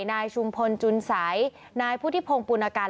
นายชุมพลจุนสัยนายพุทธิพงศ์ปุณกัน